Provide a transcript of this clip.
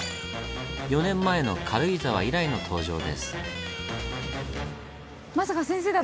４年前の「軽井沢」以来の登場です。